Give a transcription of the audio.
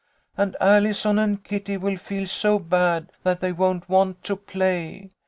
And Allison and Kitty will feel so bad that they won't want to play.